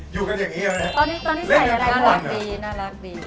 อยู่กันอย่างงี้เลยนะตอนนี้ตอนนี้ใส่อะไรน่ารักดีน่ารักดี